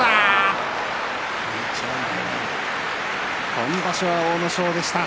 今場所は阿武咲でした。